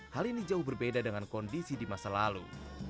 hal ini jauh berbeda dengan kondisi di masa lalu